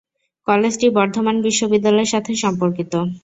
কলেজটি বর্ধমান বিশ্ববিদ্যালয়ের সাথে সম্পর্কিত।